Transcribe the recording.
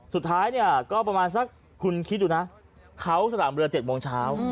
สุดท้ายเนี่ยก็ประมาณสักคุณคิดดูนะเขาสนามเรือ๗โมงเช้า